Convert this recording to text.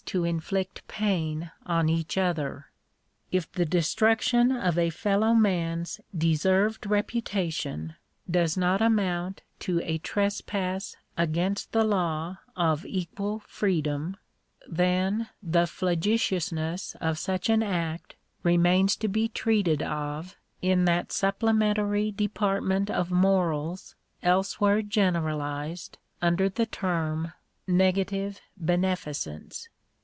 to inflict pain on each other. If the destruction of a fellow man's deserved reputation does not amount to a trespass against the law of equal freedom, then the flagitiousness of such an act remains to be treated of in that supplementary department of morals elsewhere generalized under the term negative beneficence.